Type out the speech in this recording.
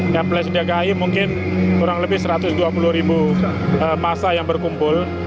yang pelajar diakai mungkin kurang lebih satu ratus dua puluh ribu massa yang berkumpul